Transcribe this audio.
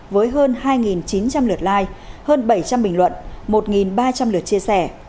với hơn hai chín trăm linh lượt like hơn bảy trăm linh bình luận một ba trăm linh lượt chia sẻ